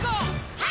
はい！